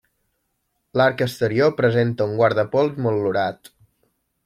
L'arc exterior presenta un guardapols motllurat.